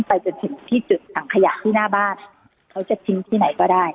ไปจนถึงที่จุดถังขยะที่หน้าบ้านเขาจะทิ้งที่ไหนก็ได้